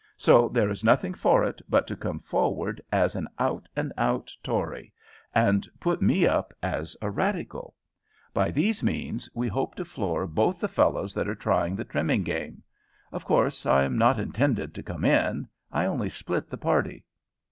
So there is nothing for it but to come forward as an out and out Tory, and put me up as a Radical; by these means we hope to floor both the fellows that are trying the trimming game. Of course I am not intended to come in I only split the party."